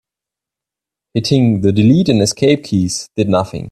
Hitting the delete and escape keys did nothing.